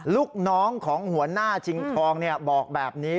ลูกน้องของหัวหน้าชิงทองบอกแบบนี้